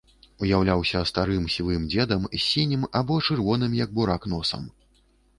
Уяўляўся старым сівым дзедам з сінім або чырвоным, як бурак, носам.